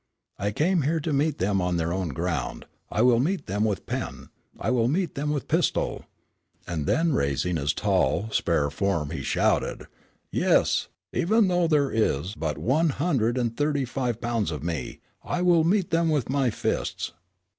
I came here to meet them on their own ground. I will meet them with pen. I will meet them with pistol," and then raising his tall, spare form, he shouted, "Yes, even though there is but one hundred and thirty five pounds of me, I will meet them with my fists!"